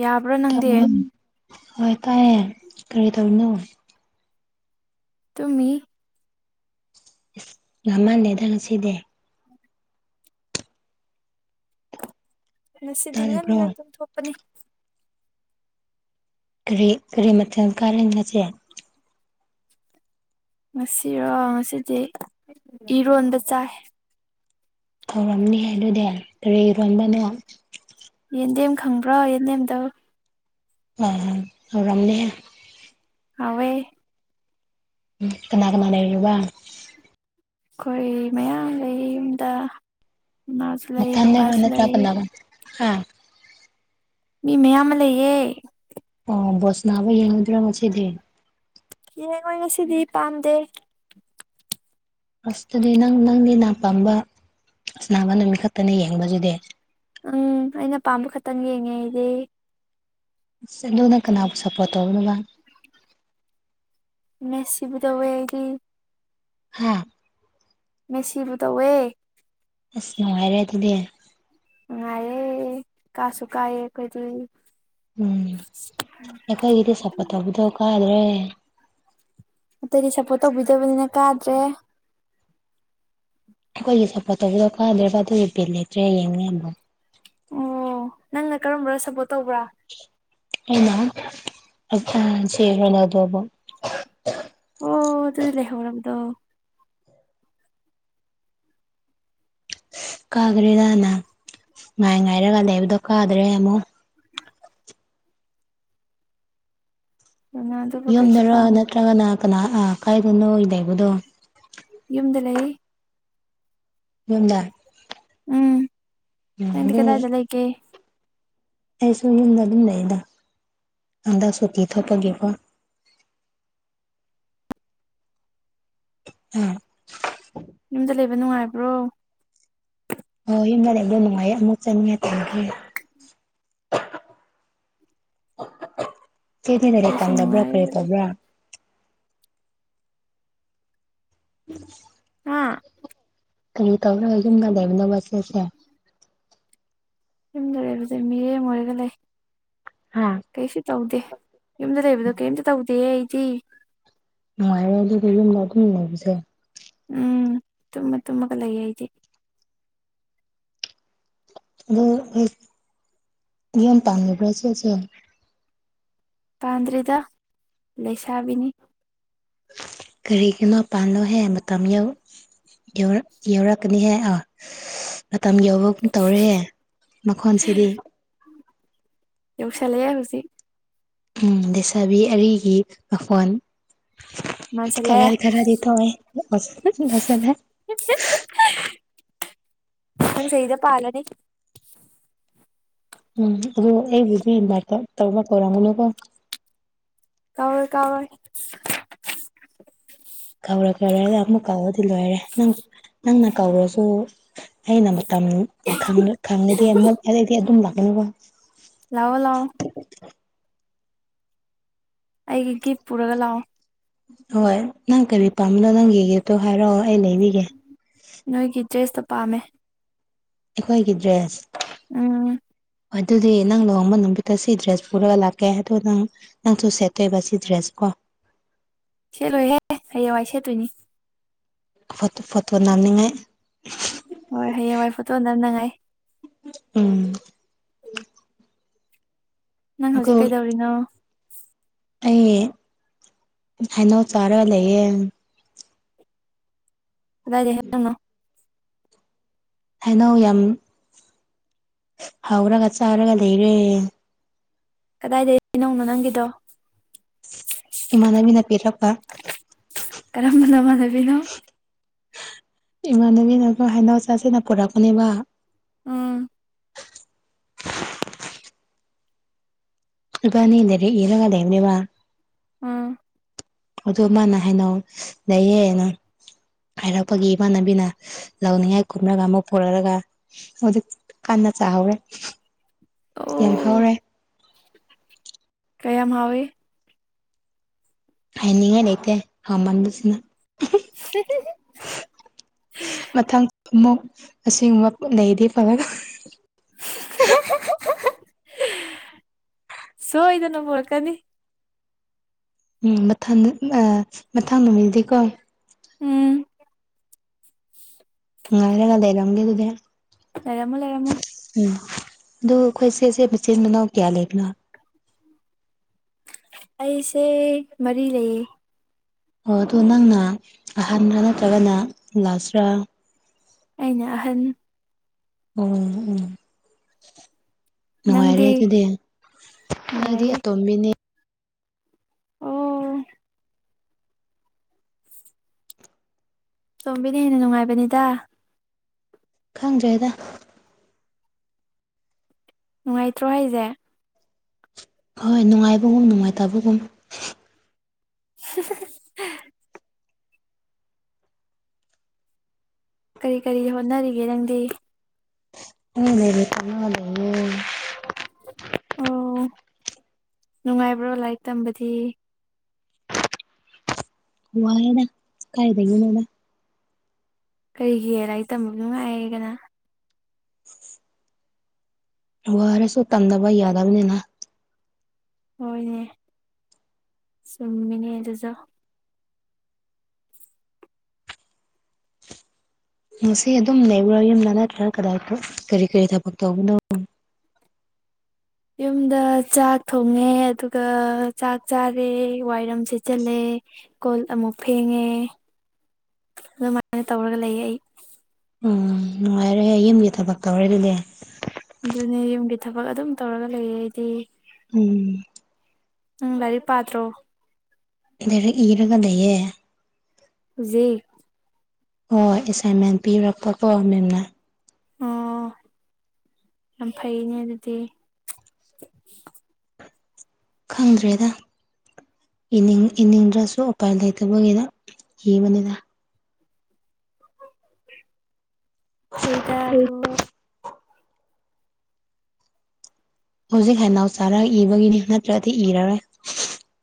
ꯌꯥꯕ꯭ꯔꯥ ꯅꯪꯗꯤ ꯍꯣꯏ ꯇꯥꯏꯌꯦ ꯀꯔꯤ ꯇꯧꯔꯤꯅꯣ ꯇꯨꯝꯃꯤ ꯉꯜꯃꯜꯂꯦꯗ ꯉꯁꯤꯗꯤ ꯉꯁꯤꯗꯤ ꯇꯥꯗꯕ꯭ꯔꯣ ꯉꯟꯅ ꯇꯨꯝꯊꯣꯛꯄꯅꯦ ꯀꯔꯤ ꯀꯔꯤ ꯃꯊꯦꯜ ꯀꯥꯔꯦ ꯉꯁꯤ ꯉꯁꯤꯔꯣ ꯉꯁꯤꯗꯤ ꯏꯔꯣꯟꯕ ꯆꯥꯏ ꯊꯧꯔꯝꯅꯤ ꯍꯦ ꯑꯗꯨꯗꯤ ꯀꯔꯤ ꯏꯔꯣꯝꯕꯅꯣ ꯌꯦꯟꯗꯦꯝ ꯈꯪꯕ꯭ꯔꯣ ꯌꯦꯟꯗꯦꯝꯗꯣ ꯑꯣꯏꯔꯝꯅꯤꯍꯦ ꯍꯥꯎꯋꯦ ꯎꯝ ꯀꯅꯥ ꯀꯅꯥ ꯂꯩꯔꯤꯕ ꯑꯩꯈꯣꯏ ꯃꯌꯥꯝ ꯂꯩꯌꯦ ꯌꯨꯝꯗ ꯏꯃꯥꯁꯨ ꯂꯩ ꯅꯥꯊꯟꯗꯔꯣ ꯕꯕꯥꯁꯨ ꯋꯥꯗ ꯂꯩ ꯇꯕꯅꯕ ꯍꯥ ꯃꯤ ꯃꯌꯥꯝ ꯑꯃ ꯂꯩꯌꯦ ꯑꯣ ꯕꯥꯜꯂ ꯁꯅꯥꯕ ꯌꯦꯡꯉꯨꯗ꯭ꯔꯥ ꯉꯁꯤꯗꯤ ꯌꯦꯡꯉꯣꯏ ꯉꯁꯤꯗꯤ ꯄꯥꯝꯗꯦ ꯑꯁꯇꯗꯤ ꯅꯪ ꯅꯪꯒꯤ ꯅꯥ ꯄꯥꯝꯕ ꯁꯥꯅꯕꯥ ꯅꯨꯃꯤꯠ ꯈꯛꯇꯅꯦ ꯌꯦꯡꯕꯗꯨꯗꯤ ꯎꯝ ꯑꯩꯅ ꯄꯥꯝꯕ ꯈꯛꯇꯪ ꯌꯦꯡꯉꯦ ꯑꯩꯗꯤ ꯑꯗꯨꯅ ꯀꯅꯥꯕꯨ ꯁꯞꯄꯣꯔꯠ ꯇꯧꯅꯕ ꯃꯦꯁꯁꯤꯕꯨ ꯇꯧꯋꯦ ꯑꯩꯒꯤ ꯍꯥꯥ ꯃꯦꯁꯤꯕꯨ ꯇꯧꯋꯦ ꯑꯁ ꯅꯨꯡꯉꯥꯏꯔꯦ ꯑꯗꯨꯗꯤ ꯅꯨꯡꯉꯥꯢꯑꯦ ꯀꯥꯁꯨ ꯀꯥꯏꯑꯦ ꯑꯩꯈꯣꯢꯗꯤ ꯎꯝ ꯑꯩꯈꯣꯏꯒꯤꯗꯤ ꯁꯞꯄꯣꯔꯠ ꯇꯧꯕꯗꯣ ꯀꯥꯔꯤꯌꯦ ꯑꯇꯩꯗꯤ ꯁꯞꯄꯣꯔꯠ ꯇꯧꯕꯤꯗꯕꯅꯤꯅ ꯀꯥꯗ꯭ꯔꯦ ꯑꯩꯈꯣꯏꯒꯤ ꯁꯞꯄꯣꯔꯠ ꯇꯧꯕꯗꯣ ꯀꯥꯗ꯭ꯔꯤꯕ ꯑꯗꯨꯒꯤ ꯕꯤꯠ ꯂꯩꯇ꯭ꯔꯦ ꯌꯦꯡꯉꯦ ꯑꯣ ꯅꯪꯅ ꯀꯔꯝꯕ ꯁꯞꯄꯣꯔꯠ ꯇꯧꯕ꯭ꯔꯥ ꯑꯩꯅ ꯁꯤꯈꯅ ꯑꯗꯨꯕ [inaudible] ꯑꯣ ꯑꯗꯨꯗꯤ ꯂꯩꯍꯧꯔꯝꯗꯣ ꯀꯥꯈ꯭ꯔꯦꯗꯅ ꯉꯥꯏ ꯉꯥꯏꯔꯒ ꯂꯩꯕꯗꯣ ꯀꯥꯗ꯭ꯔꯦ ꯑꯃꯨꯛ ꯑ ꯌꯨꯝꯗꯔꯥ ꯅꯠꯇ꯭ꯔꯒꯅ ꯀꯅꯥ ꯀꯥꯏꯗꯅꯣ ꯂꯩꯕꯥꯗꯣ ꯌꯨꯝꯗ ꯂꯩ ꯌꯨꯝꯗ ꯎꯝ ꯎꯝ ꯅꯪꯗꯤ ꯑꯗꯨ ꯀꯗꯥꯏꯗ ꯂꯩꯒꯦ ꯑꯩꯁꯨ ꯌꯨꯝꯗ ꯑꯗꯨꯝ ꯂꯩꯗ ꯍꯟꯗꯛ ꯁꯨꯇꯤ ꯊꯣꯛꯄꯒꯤꯀꯣ ꯎꯝ ꯌꯨꯝꯗ ꯂꯩꯕ ꯅꯨꯡꯉꯥꯏꯕ꯭ꯔꯣ ꯑꯣ ꯌꯨꯝꯗ ꯂꯩꯕꯗꯣ ꯅꯨꯡꯉꯥꯏꯌꯦ ꯑꯃꯨꯛ ꯆꯪꯉꯦ ꯊꯝꯒꯤ ꯀꯦꯗꯤꯗꯔ ꯑꯩꯁꯨ ꯇꯝꯗꯕ꯭ꯔꯥ ꯅꯨꯡꯉꯥꯏ ꯀꯔꯤ ꯌꯨꯝꯗ ꯂꯩꯕ ꯇꯕ꯭ꯔꯥ [inaudible] ꯎꯝ ꯍꯥ ꯀꯔꯤ ꯇꯧꯔꯒ ꯌꯨꯝꯗ ꯂꯩꯕꯅꯣ ꯉꯁꯤꯁꯦ ꯌꯨꯝꯗ ꯂꯩꯕꯁꯦ ꯃꯤꯔꯦꯝ ꯑꯣꯏꯔꯒ ꯂꯩ ꯍꯥꯥ ꯀꯩꯁꯨ ꯇꯧꯗꯦ ꯌꯨꯝꯗ ꯂꯩꯕꯗꯣ ꯀꯔꯤꯝꯇ ꯇꯧꯗꯦ ꯑꯩꯗꯤ ꯅꯨꯡꯉꯥꯏꯔꯦ ꯑꯗꯨꯗ ꯌꯨꯝꯗ ꯑꯗꯨꯝ ꯂꯩꯕꯁꯦ ꯎꯝ ꯇꯨꯝꯃ ꯇꯨꯝꯃꯒ ꯂꯩꯌꯦ ꯑꯩꯗꯤ ꯑꯗꯣꯏ ꯌꯣꯝ ꯄꯥꯟꯕ꯭ꯔꯥ ꯆꯦꯁꯦ ꯄꯥꯟꯗ꯭ꯔꯤꯗ ꯂꯩꯁꯥꯕꯤꯅꯤ ꯀꯔꯤꯒꯤꯅꯣ ꯄꯥꯟꯜꯂꯣ ꯍꯦ ꯃꯇꯝ ꯌꯧ ꯌꯧꯔꯛ ꯌꯧꯔꯛꯀꯅꯤꯍꯦ ꯑꯥ ꯃꯇꯝ ꯌꯧꯕꯒꯨꯝ ꯇꯧꯔꯛꯑꯦ ꯃꯈꯣꯟꯁꯤꯗꯤ ꯌꯥꯎꯁꯤꯜꯔꯛꯌꯦ ꯍꯧꯖꯤꯛ ꯎꯝ ꯂꯩꯁꯥꯕꯤ ꯑꯔꯤꯒꯤ ꯃꯈꯣꯟ ꯀꯂꯔ ꯃꯥꯟꯁꯜꯂꯛꯑꯦ ꯈꯔꯗꯤ ꯇꯣ ꯅꯁꯅ [inaudible] ꯃꯊꯪ ꯁꯍꯤꯗ ꯄꯥꯜꯂꯅꯤ ꯎꯝ ꯑꯗꯣ ꯑꯩꯕꯨꯗꯤ ꯏꯟꯚꯥꯏꯠ ꯇꯧꯕ ꯀꯧꯔꯝꯒꯅꯨꯀꯣ ꯀꯥꯎꯔꯣꯏ ꯀꯥꯎꯔꯣꯏ ꯀꯥꯎꯔꯣꯢ ꯀꯥꯎꯔꯣꯢ ꯍꯥꯢꯔ ꯑꯃꯨꯛ ꯀꯥꯎꯔꯗꯤ ꯂꯣꯏꯔꯦ ꯅꯪ ꯅꯪꯅ ꯀꯥꯎꯔꯁꯨ ꯑꯩꯅ ꯃꯇꯝ ꯈꯪꯑꯗꯤ ꯑꯗꯨꯝ ꯂꯥꯛꯀꯅꯤꯀꯣ ꯂꯑꯣ ꯂꯑꯣ ꯑꯩꯒꯤ ꯒꯤꯐ ꯄꯨꯔꯒ ꯂꯥꯛꯑꯣ ꯍꯣꯏ ꯅꯪ ꯀꯔꯤ ꯄꯥꯝꯕꯅꯣ ꯅꯪꯒꯤ ꯒꯤꯞꯇꯣ ꯍꯥꯏꯔꯛꯑꯣ ꯑꯩ ꯂꯩꯕꯤꯒꯦ ꯅꯣꯏꯒꯤ ꯗ꯭ꯔꯦꯁꯇꯣ ꯄꯥꯝꯃꯦ ꯑꯩꯈꯣꯏꯒꯤ ꯗ꯭ꯔꯦꯁ ꯎꯝ ꯑꯗꯨꯗꯤ ꯅꯪ ꯂꯨꯍꯣꯡꯕ ꯅꯨꯃꯤꯠꯇ ꯁꯤ ꯗ꯭ꯔꯦꯁ ꯄꯨꯔꯒ ꯂꯥꯛꯀꯦ ꯑꯗꯣ ꯅꯪ ꯅꯪꯁꯨ ꯁꯦꯠꯇꯣꯏꯕ ꯁꯤꯗ꯭ꯔꯦꯁ ꯀꯣ ꯁꯦꯠꯂꯣꯏꯍꯦ ꯍꯌꯦꯡꯋꯥꯢ ꯁꯦꯠꯇꯣꯏꯅꯤ ꯐ ꯐꯣꯇꯣ ꯅꯝꯅꯤꯡꯉꯥꯏ ꯍꯣꯏ ꯍꯌꯦꯡꯋꯥꯏ ꯐꯣꯇꯣꯅꯅꯉꯥꯏ ꯎꯝ ꯅꯪ ꯑꯗꯨ ꯍꯧꯖꯤꯛ ꯀꯩꯗꯧꯔꯤꯅꯣ ꯑꯩ ꯍꯥꯏꯅꯥꯎ ꯆꯥꯔ ꯂꯩꯌꯦ ꯑꯗꯤꯦ ꯍꯥꯏꯦꯅꯣ ꯍꯥꯏꯩꯅꯧ ꯌꯥꯝ ꯍꯥꯎꯔꯒ ꯆꯥꯔꯒ ꯂꯩꯔꯦ ꯀꯗꯥꯏꯗꯒꯤ ꯅꯪꯅꯣ ꯅꯪꯒꯤꯗꯣ ꯏꯃꯥꯟꯅꯕꯤꯅ ꯄꯤꯔꯛꯄ ꯀꯔꯝꯕ ꯅꯃꯥꯟꯅꯕꯤꯅꯣ ꯏꯃꯥꯟꯅꯕꯤꯅ ꯍꯩꯅꯥꯎ ꯆꯥꯁꯤꯅ ꯄꯨꯔꯛꯄꯅꯦꯕ ꯎꯝ ꯢꯄꯥꯟꯅꯤ ꯂꯥꯢꯔꯤꯛ ꯢꯔꯒ ꯂꯩꯕꯅꯦꯕ ꯎꯝ ꯑꯗꯨ ꯃꯥꯥꯢꯅ ꯍꯥꯏꯅꯣ ꯂꯩꯌꯦ ꯅꯪ ꯍꯥꯏꯔꯛꯄꯒꯤ ꯏꯃꯥꯟꯅꯕꯤꯅ ꯂꯧꯅꯤꯡꯉꯥꯏ ꯀꯨꯝꯅꯒ ꯑꯃꯨꯛ ꯄꯨꯔꯛꯑꯒ ꯍꯧꯖꯤꯛ ꯀꯥꯟꯅ ꯆꯥꯎꯔꯦ ꯌꯥꯝ ꯑꯣ ꯍꯧꯔꯦ ꯀꯌꯥꯝ ꯍꯥꯎꯏꯤ ꯍꯥꯏꯅꯤꯡꯉꯥꯏ ꯂꯩꯇꯦ ꯍꯃꯥꯟꯕꯕꯁꯤꯅ [unintelligible] ꯃꯊꯪ ꯑꯃꯨꯛ ꯑꯁꯤꯒꯨꯝꯕ ꯂꯩꯗꯤ ꯐꯂꯒ ꯁꯣꯏꯗꯅ ꯄꯨꯣꯔꯛꯀꯅꯤ ꯎꯝ ꯃꯊ ꯃꯊꯪ ꯅꯨꯃꯤꯠꯗꯤꯀꯣ ꯎꯝ ꯎꯔ ꯀꯗ ꯂꯩꯦ ꯑꯗꯨꯗꯦ ꯂꯩꯔꯝꯣ ꯂꯩꯔꯝꯃꯣ ꯎꯝ ꯑꯗꯨ ꯀꯣꯏꯁꯦꯁꯦ ꯃꯦꯆꯤꯟ ꯃꯅ ꯀꯌꯥ ꯂꯩꯕ꯭ꯔꯣ ꯑꯩꯁꯦ ꯃꯔꯤ ꯂꯩꯌꯦ ꯑꯣ ꯑꯗꯣ ꯅꯪꯅ ꯑꯍꯥꯟꯕꯔ ꯅꯠꯇ꯭ꯔꯒꯅ ꯂꯥꯁꯔꯥ ꯑꯩꯅ ꯑꯍꯟ ꯎꯝ ꯎꯝ ꯅꯨꯡꯉꯥꯏꯔꯦ ꯅꯪꯗꯤ ꯑꯗꯨꯗꯤ ꯑꯩꯗꯤ ꯅꯨꯡꯉꯥꯏꯌꯦ ꯑꯇꯣꯝꯕꯤꯅꯦ ꯑꯣ ꯁꯣꯝꯕꯤꯅ ꯍꯦꯟꯅ ꯅꯨꯡꯉꯥꯏꯕꯅꯤꯗ ꯈꯪꯖ꯭ꯔꯩꯦꯗ ꯅꯨꯡꯉꯥꯏꯇ꯭ꯔꯣ ꯍꯥꯏꯁꯦ ꯍꯣꯏ ꯅꯨꯡꯉꯥꯏꯕꯒꯨꯝ ꯅꯨꯡꯉꯥꯏꯇꯕꯒꯨꯝ [inaudible] ꯀꯔꯤ ꯀꯔꯤ ꯍꯣꯠꯅꯔꯤꯒꯦ ꯅꯪꯗꯤ ꯎ ꯂꯩ ꯀ ꯑꯣ ꯅꯨꯡꯉꯥꯏꯕ꯭ꯔꯣ ꯂꯥꯏꯔꯤꯛ ꯇꯝꯕꯗꯤ ꯋꯥ ꯍꯥꯏꯦꯅ ꯀꯥꯏꯗꯒꯅꯦꯅ ꯀꯩꯒꯤ ꯂꯥꯏꯔꯤꯛ ꯇꯝꯕ ꯅꯨꯡꯉꯥꯏꯔꯦ ꯀꯅ ꯋꯥꯔꯁꯨ ꯇꯝꯗꯅꯕ ꯌꯥꯗꯕꯅꯤꯅ ꯍꯣꯏꯅꯦ ꯆꯨꯝꯃꯤꯅꯦ ꯑꯗꯨꯁꯨ ꯃꯁꯤ ꯑꯗꯨꯝ ꯂꯩꯕꯔꯥ ꯌꯨꯝꯗ ꯅꯠꯇ꯭ꯔꯥ ꯀꯗꯥꯏꯗꯣ ꯀꯔꯤ ꯀꯔꯤ ꯊꯕꯛ ꯇꯧꯕꯅꯣ ꯌꯨꯝꯗ ꯆꯥꯛ ꯊꯣꯡꯉꯦ ꯑꯗꯨꯒ ꯆꯥꯛ ꯆꯥꯔꯦ ꯋꯥꯏꯔꯝ ꯁꯦꯠꯆꯜꯂꯦ ꯀꯣꯜ ꯑꯃꯨꯛ ꯐꯦꯡꯉꯦ ꯑꯗꯨꯃꯥꯏꯅ ꯇꯧꯔꯒ ꯂꯩꯌꯦ ꯑꯩ ꯎꯝ ꯅꯨꯡꯉꯥꯏꯔꯦ ꯌꯨꯝꯒꯤ ꯊꯕꯛ ꯇꯧꯔꯦ ꯑꯗꯨꯅꯦ ꯑꯗꯨꯅꯦ ꯌꯨꯝꯒꯤ ꯊꯕꯛ ꯑꯗꯨꯝ ꯇꯧꯔꯒ ꯂꯩꯌꯦ ꯑꯩꯗꯤ ꯎꯝ ꯎꯝ ꯂꯔꯤꯛ ꯄꯥꯠꯇ꯭ꯔꯣ ꯂꯩꯔꯛ ꯏꯔꯒ ꯂꯩꯌꯦ [unintelligible] ꯍꯣꯏ ꯍꯣꯏ ꯑꯦꯁꯥꯏꯟꯃꯦꯟ ꯄꯤꯔꯛꯄꯀꯣ ꯃꯦꯝꯅ ꯑꯣ ꯌꯥꯝ ꯐꯩꯅꯦ ꯑꯗꯨꯗꯤ ꯈꯪꯗ꯭ꯔꯦꯗ ꯅꯤꯡ ꯏꯅꯤꯡꯗ꯭ꯔꯁꯨ ꯎꯄꯥꯏ ꯂꯩꯇꯕꯒꯤꯅ ꯏꯕꯅꯤꯅ ꯐꯔꯤꯗ ꯑꯗꯨ ꯍꯧꯖꯤꯛ ꯍꯅꯥꯎ ꯆꯥꯔꯒ ꯏꯕꯒꯤꯅꯤ ꯅꯠꯇ꯭ꯔꯗꯤ ꯏꯔꯔꯣꯏ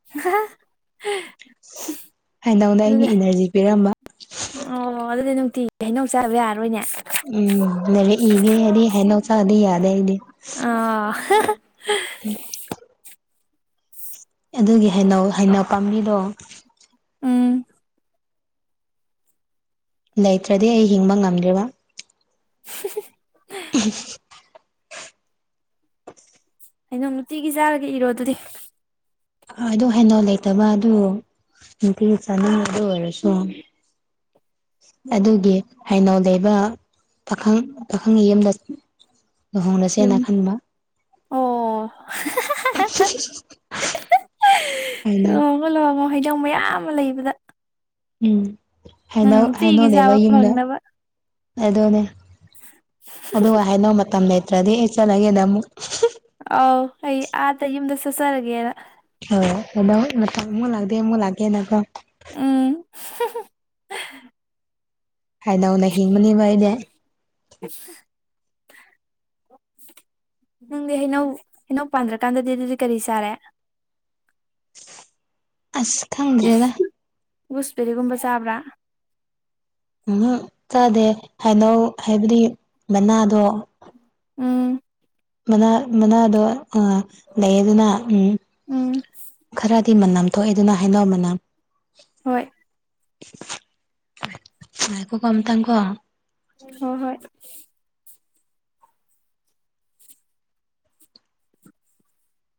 [inaudible] ꯍꯥꯏꯅꯗꯧꯅ ꯑꯩꯒꯤ ꯑꯗꯨꯗꯤ ꯏꯅꯔꯖꯤ ꯄꯤꯔꯝꯕ ꯑꯣ ꯑꯗꯨꯗꯤ ꯅꯨꯡꯇꯤꯒꯤ ꯍꯩꯅꯧ ꯆꯥꯕ ꯌꯥꯔꯣꯏꯅꯦ ꯎꯝ ꯅꯔꯦ ꯏꯒꯦ ꯍꯥꯏꯗꯤ ꯍꯩꯅꯧꯆꯥꯥꯗꯤ ꯌꯥꯗꯦ ꯑꯩꯗꯤ ꯑꯥ ꯊꯂꯣ ꯑꯗꯨꯒꯤꯩꯅ ꯍꯩꯅꯧ ꯄꯥꯝꯕꯤꯗꯣ ꯎꯝ ꯂꯩꯇ꯭ꯔꯗꯤ ꯑꯩ ꯍꯤꯡꯕ ꯉꯝꯗ꯭ꯦꯔꯤꯕ ꯑꯩꯅꯣ ꯅꯨꯡꯇꯤꯒꯤ ꯆꯥꯔꯒ ꯏꯔꯣ ꯑꯗꯨꯗꯤ ꯑꯗꯨ ꯍꯦꯟꯅꯣ ꯂꯩꯇꯕ ꯑꯗꯨ ꯅꯨꯡꯇꯤ ꯆꯥꯅꯤꯡꯉ ꯑꯗꯨ ꯑꯣꯏꯔꯁꯨ ꯑꯗꯨꯒꯤ ꯍꯩꯅꯧ ꯂꯩꯕ ꯄꯥꯈꯪ ꯄꯥꯈꯪ ꯌꯨꯝꯗ ꯌꯨꯝ ꯂꯨꯍꯣꯡꯅꯁꯦꯅ ꯈꯟꯕ ꯑꯣ [unintelligible] [unintelligible] [unintelligible] ꯍꯩꯖꯥꯎ ꯃꯌꯥꯝ ꯑꯃ ꯂꯩꯕꯗ ꯎꯝ ꯍꯥꯏ ꯅꯪ ꯅꯨꯡꯇꯤꯒꯤ ꯍꯥꯏꯅꯧꯅꯦꯕ ꯆꯥꯕ ꯌꯨꯝꯗ ꯐꯪꯅꯕ ꯑꯗꯨꯗꯣꯅꯦ ꯑꯗꯨꯒ ꯍꯥꯏꯅꯣ ꯃꯇꯝ ꯂꯩꯇ꯭ꯔꯗꯤ ꯑꯩ ꯆꯠꯂꯒꯦꯗ ꯑꯃꯨꯛ ꯑꯥꯎ ꯑꯩ ꯑꯥꯗ ꯌꯨꯝꯗ ꯆꯠꯆꯔꯒꯦꯅ ꯍ ꯍꯗ ꯑꯃꯛ ꯂꯥꯛꯗꯦꯃꯨ ꯂꯥꯛꯦꯀꯣ ꯎꯝ ꯍꯥꯏꯗꯧꯅ ꯍꯤꯡꯕꯅꯦꯕ ꯑꯩꯗꯤ [inaudible] ꯅꯪꯗꯤ ꯍꯩꯅꯧ ꯍꯩꯅꯧ ꯄꯥꯟꯗ꯭ꯔꯀꯥꯟꯗꯗꯤ ꯑꯗꯨꯗꯤ ꯀꯔꯤ ꯆꯥꯔꯦ ꯑꯁ ꯈꯪꯗ꯭ꯔꯦꯗ ꯨꯋꯨꯁꯕꯤꯔꯤꯒꯨꯝꯕ ꯆꯕ꯭ꯔꯥ ꯎꯝ ꯆꯥꯗꯦ ꯍꯩꯅꯧ ꯍꯥꯏꯕꯗꯤ ꯃꯅꯥꯗꯣ ꯎꯝ ꯃꯅꯥ ꯃꯅꯥꯗꯣ ꯂꯩ ꯑꯗꯨꯅ ꯎꯝ ꯎꯝ ꯈꯔ ꯇꯤ ꯃꯅꯝ ꯊꯣꯛꯑꯦ ꯑꯗꯨꯅ ꯍꯩꯅꯧ ꯃꯅꯥ ꯍꯣꯏ ꯉꯀꯣ ꯀꯝ ꯇ ꯀꯣ ꯍ ꯍꯣꯏ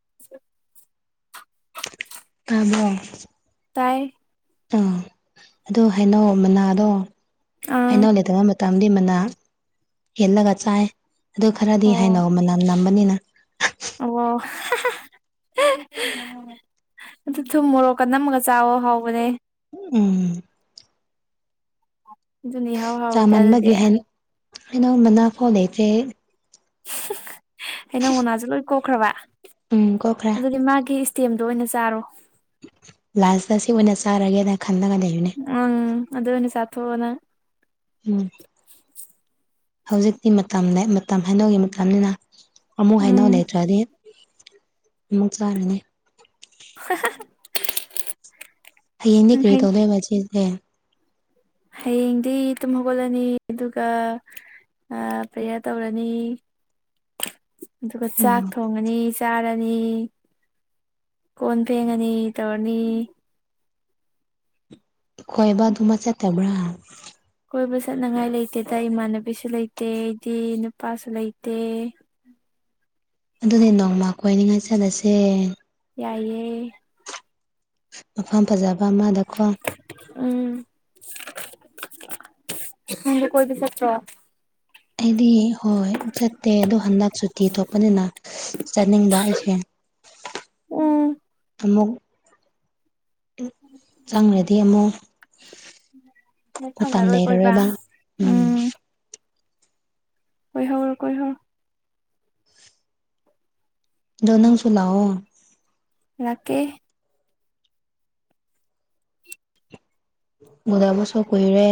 [inaudible] [unintelligible] ꯇꯥꯏ ꯑꯥ ꯑꯗꯣ ꯍꯥꯏꯅꯧ ꯃꯅꯥꯗꯣ ꯑꯥ ꯑꯩꯅꯧ ꯂꯩꯇꯉꯩ ꯃꯇꯝꯗꯤ ꯃꯅꯥ ꯍꯦꯜꯂꯒ ꯆꯥꯏ ꯑꯗꯨ ꯈꯔꯗꯤ ꯍꯥꯏꯩꯅ ꯑꯣ ꯃꯅꯝ ꯅꯝꯕꯅꯤꯅ ꯑꯣ ꯑꯗꯨ ꯊꯨꯝ ꯃꯣꯔꯣꯛꯀ ꯅꯝꯃꯒ ꯆꯥꯑꯣ ꯍꯥꯎꯕꯅꯦ ꯎꯝ ꯑꯗꯨ ꯅꯤꯍꯥ ꯆꯥꯃꯟꯕꯒꯤ ꯍꯦꯟ ꯍꯩꯅꯧ ꯃꯅꯥ ꯐꯥꯎ ꯂꯩꯇꯔ꯭ꯦ ꯍꯩꯅꯧ ꯃꯥꯅꯥꯁꯨ ꯂꯣꯏ ꯀꯣꯛꯈ꯭ꯔꯕ ꯎꯝ ꯀꯣꯛꯈ꯭ꯔꯦ ꯑꯗꯨꯗꯤ ꯃꯥꯒꯤ ꯇꯦꯝꯗꯣ ꯑꯣꯏꯅ ꯆꯥꯔꯣ ꯂꯥꯁꯇ ꯁꯤ ꯑꯣꯏꯅ ꯆꯥꯔꯒꯦꯅ ꯈꯜꯂꯒ ꯂꯩꯕꯥꯅꯦ ꯎꯝ ꯑꯗꯨ ꯑꯣꯏꯅꯥ ꯆꯊꯣꯛꯑꯣ ꯅꯪ ꯎꯝ ꯍꯧꯖꯤꯛꯇꯤ ꯃꯇꯝꯅꯦ ꯃꯇꯝ ꯍꯩꯅꯧꯒꯤ ꯃꯇꯝꯅꯤꯅ ꯑꯃꯨꯛ ꯍꯩꯅꯧ ꯎꯝ ꯂꯩꯇ꯭ꯔꯗꯤ ꯑꯃꯨꯛ ꯆꯥꯔꯅꯤ [inaudible] ꯍꯌꯦꯡꯗꯤ ꯀꯔꯤ ꯇꯧꯗꯣꯏꯕ ꯆꯦꯁꯦ ꯍꯌꯦꯡꯗꯤ ꯇꯨꯝ ꯍꯧꯒꯠꯂꯅꯤ ꯑꯗꯨꯒ ꯄ꯭ꯔꯦꯌꯔ ꯇꯧꯔꯅꯤ [inaudible] ꯑꯗꯨꯒ ꯆꯥꯛ ꯎꯝ ꯊꯣꯡꯉꯅꯤ ꯆꯥꯔꯅꯤ ꯀꯣꯟ ꯐꯦꯡꯉꯅꯤ ꯇꯧꯔꯅꯤ ꯈꯣꯏꯕꯗꯨꯃꯕꯥ ꯆꯠꯇꯕ꯭ꯔꯥ ꯀꯣꯏꯕ ꯆꯠꯅꯤꯡꯉꯥꯏ ꯂꯩꯇꯦꯗ ꯏꯃꯥꯟꯅꯕꯤꯁꯨ ꯂꯩꯇꯦꯗꯤ ꯅꯨꯄꯥꯁꯨ ꯂꯩꯇꯦ ꯑꯗꯨꯗꯤ ꯅꯣꯡꯃꯥ ꯀꯣꯏꯅꯤꯡꯉꯥꯏ ꯆꯠꯂꯁꯦ ꯌꯥꯏꯌꯦ ꯃꯐꯝ ꯐꯖꯕ ꯑꯃꯗꯀꯣ ꯎꯝ ꯅꯪꯗꯤ ꯀꯣꯏꯕꯤ ꯆꯠꯇ꯭ꯔꯣ ꯑꯩꯗꯤ ꯍꯣꯏ ꯆꯠꯇꯦ ꯑꯗꯣ ꯍꯟꯗꯛ ꯁꯨꯇꯤ ꯊꯣꯛꯄꯅꯤꯅ ꯆꯠꯅꯤꯡꯕ ꯑꯩꯁꯦ ꯎꯝ ꯑꯃꯨꯛ ꯆꯪꯒꯔꯥꯗꯤ ꯑꯃꯨꯛ ꯅꯪ ꯃꯇꯝ ꯐꯪꯉꯔꯣꯏ ꯀꯣꯏꯕ ꯂꯩꯔꯔꯣꯏꯕ ꯎꯝ ꯀꯣꯏꯍꯧꯔꯣ ꯀꯣꯏꯍꯧꯔꯣ ꯗꯣ ꯅꯪꯁꯨꯨ ꯂꯑꯣ ꯂꯥꯛꯀꯦ ꯎꯗꯕꯁꯨ ꯀꯨꯏꯔꯦ